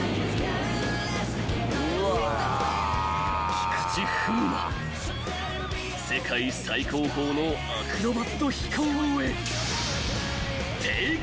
［菊池風磨世界最高峰のアクロバット飛行へ］